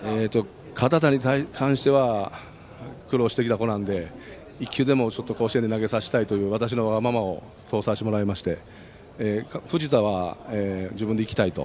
堅田に関しては苦労してきた子なので１球でも甲子園で投げさせたいという私のわがままを通させてもらいまして藤田は自分で行きたいと。